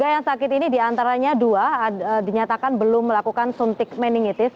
tiga yang sakit ini diantaranya dua dinyatakan belum melakukan suntik meningitis